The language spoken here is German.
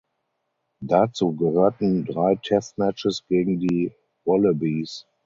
Dazu gehörten drei Test Matches gegen die "Wallabies".